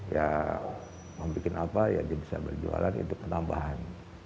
ya mau bikin apa ya dia bisa berjualan itu penambahan